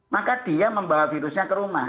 maka dia membawa virusnya ke rumah